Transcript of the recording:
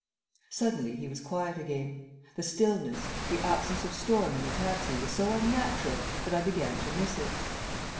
Suddenly he was quiet again. The stillness, the absence of storm in the taxi was so unnatural that I began to miss it.